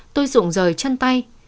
tôi rụng rời chân tay